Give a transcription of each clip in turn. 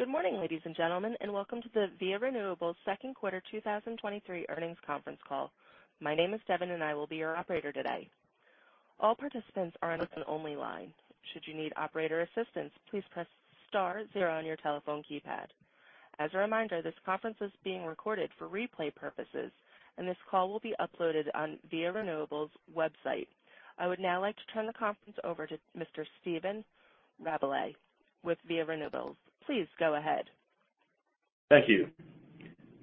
Good morning, ladies and gentlemen, welcome to the Via Renewables Second Quarter 2023 Earnings Conference Call. My name is Devin, I will be your operator today. All participants are on a listen-only line. Should you need operator assistance, please press star zero on your telephone keypad. As a reminder, this conference is being recorded for replay purposes, this call will be uploaded on Via Renewables' website. I would now like to turn the conference over to Mr. Stephen Rabalais with Via Renewables. Please go ahead. Thank you.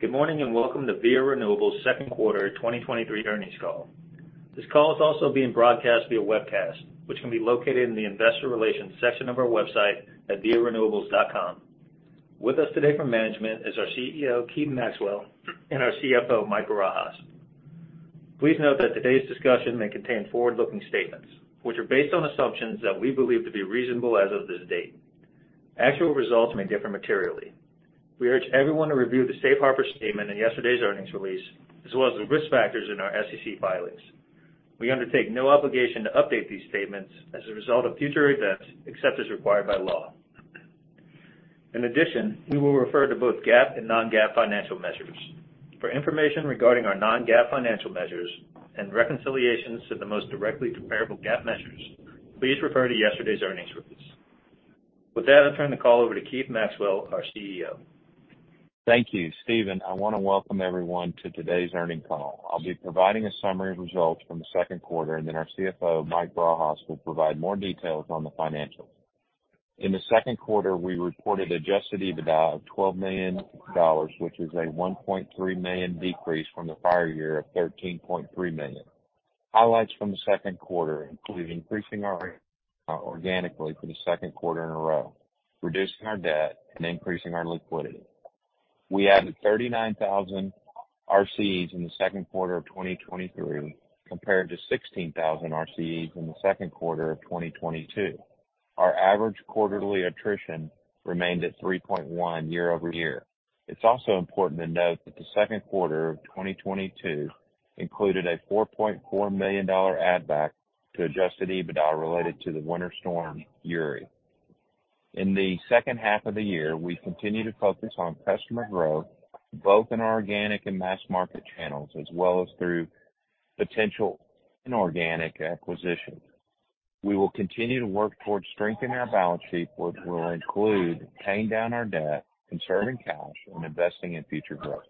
Good morning, and welcome to Via Renewables' second quarter 2023 earnings call. This call is also being broadcast via webcast, which can be located in the Investor Relations section of our website at viarenewables.com. With us today from management is our CEO, Keith Maxwell, and our CFO, Mike Barajas. Please note that today's discussion may contain forward-looking statements, which are based on assumptions that we believe to be reasonable as of this date. Actual results may differ materially. We urge everyone to review the safe harbor statement in yesterday's earnings release, as well as the risk factors in our SEC filings. We undertake no obligation to update these statements as a result of future events, except as required by law. In addition, we will refer to both GAAP and non-GAAP financial measures. For information regarding our non-GAAP financial measures and reconciliations to the most directly comparable GAAP measures, please refer to yesterday's earnings release. With that, I'll turn the call over to Keith Maxwell, our CEO. Thank you, Stephen. I want to welcome everyone to today's earnings call. I'll be providing a summary of results from the second quarter, and then our CFO, Mike Barajas, will provide more details on the financials. In the second quarter, we reported Adjusted EBITDA of $12 million, which is a $1.3 million decrease from the prior year of $13.3 million. Highlights from the second quarter include increasing our rate organically for the second quarter in a row, reducing our debt, and increasing our liquidity. We added 39,000 RCEs in the second quarter of 2023, compared to 16,000 RCEs in the second quarter of 2022. Our average quarterly attrition remained at 3.1 year-over-year. It's also important to note that the second quarter of 2022 included a $4.4 million add-back to Adjusted EBITDA related to the Winter Storm Uri. In the second half of the year, we continued to focus on customer growth, both in our organic and mass market channels, as well as through potential inorganic acquisitions. We will continue to work towards strengthening our balance sheet, which will include paying down our debt, conserving cash, and investing in future growth.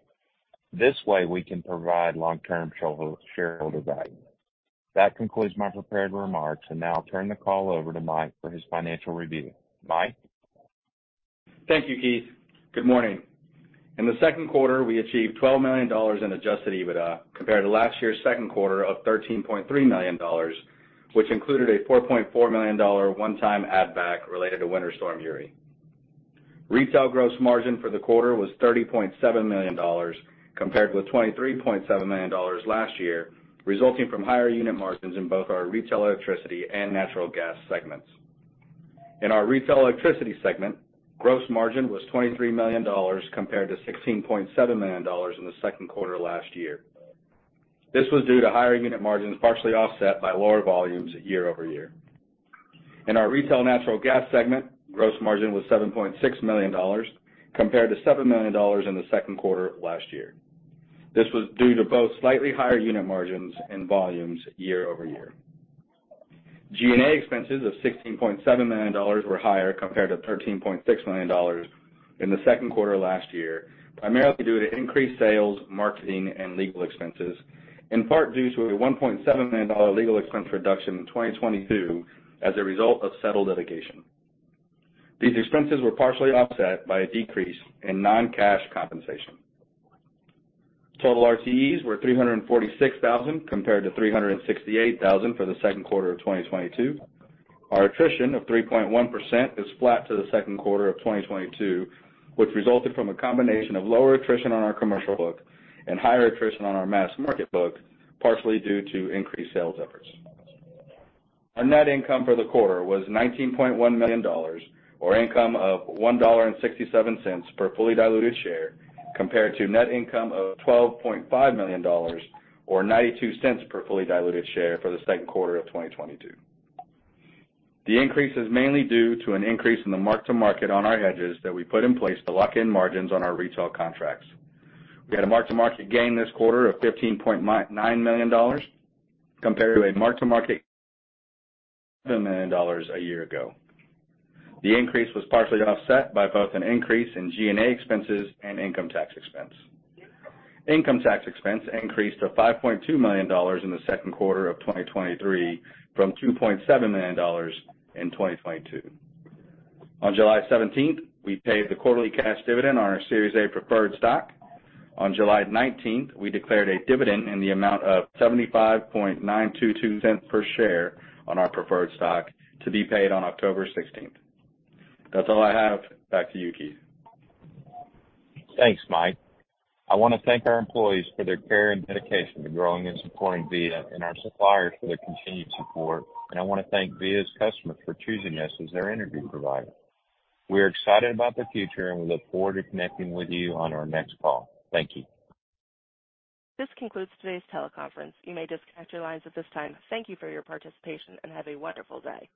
This way, we can provide long-term shareholder value. That concludes my prepared remarks. Now I'll turn the call over to Mike for his financial review. Mike? Thank you, Keith. Good morning. In the second quarter, we achieved $12 million in Adjusted EBITDA compared to last year's second quarter of $13.3 million, which included a $4.4 million one-time add back related to Winter Storm Uri. Retail Gross Margin for the quarter was $30.7 million, compared with $23.7 million last year, resulting from higher unit margins in both our Retail Electricity Segment and Retail Natural Gas Segment. In our Retail Electricity Segment, gross margin was $23 million, compared to $16.7 million in the second quarter of last year. This was due to higher unit margins, partially offset by lower volumes year-over-year. In our Retail Natural Gas Segment, gross margin was $7.6 million, compared to $7 million in the second quarter of last year. This was due to both slightly higher unit margins and volumes year-over-year. G&A expenses of $16.7 million were higher compared to $13.6 million in the second quarter of last year, primarily due to increased sales, marketing, and legal expenses, in part due to a $1.7 million legal expense reduction in 2022 as a result of settled litigation. These expenses were partially offset by a decrease in non-cash compensation. Total RCEs were 346,000, compared to 368,000 for the second quarter of 2022. Our attrition of 3.1% is flat to the second quarter of 2022, which resulted from a combination of lower attrition on our commercial book and higher attrition on our mass market book, partially due to increased sales efforts. Our net income for the quarter was $19.1 million, or income of $1.67 per fully diluted share, compared to net income of $12.5 million, or $0.92 per fully diluted share for the second quarter of 2022. The increase is mainly due to an increase in the mark-to-market on our hedges that we put in place to lock in margins on our retail contracts. We had a mark-to-market gain this quarter of $15.9 million compared to a mark-to-market of $1 million a year ago. The increase was partially offset by both an increase in G&A expenses and income tax expense. Income tax expense increased to $5.2 million in the second quarter of 2023 from $2.7 million in 2022. On July 17th, we paid the quarterly cash dividend on our Series A preferred stock. On July 19th, we declared a dividend in the amount of $0.75922 per share on our preferred stock to be paid on October 16th. That's all I have. Back to you, Keith. Thanks, Mike. I want to thank our employees for their care and dedication to growing and supporting Via, and our suppliers for their continued support. I want to thank Via's customers for choosing us as their energy provider. We are excited about the future, and we look forward to connecting with you on our next call. Thank you. This concludes today's teleconference. You may disconnect your lines at this time. Thank you for your participation, and have a wonderful day.